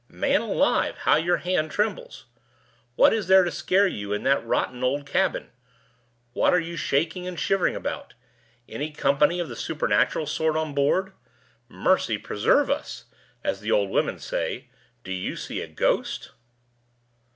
Man alive, how your hand trembles! What is there to scare you in that rotten old cabin? What are you shaking and shivering about? Any company of the supernatural sort on board? Mercy preserve us! (as the old women say) do you see a ghost?"